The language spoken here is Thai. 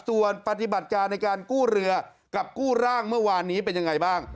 ส่วนปฏิบัติการในการกู้เรือกับกู้ร่างเมื่อวานนี้เป็นยังไงบ้าง